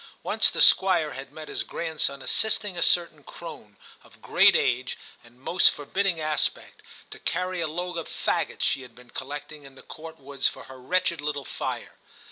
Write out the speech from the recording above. Once the Squire had met his grandson assisting a certain crone, of great age and most forbidding aspect, to carry a load of faggots she had been collecting in the Court woods for her wretched little fire.